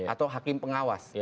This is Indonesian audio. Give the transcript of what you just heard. atau hakim pengawas